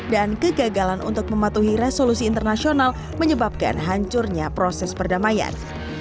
dan kegagalan untuk mematuhi resolusi internasional menyebabkan hancurnya proses perdamaian